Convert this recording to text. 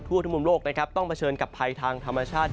ทั่วทุกมุมโลกนะครับต้องเผชิญกับภัยทางธรรมชาติ